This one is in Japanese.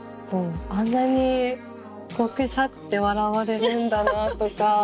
あんなにクシャって笑われるんだなとか。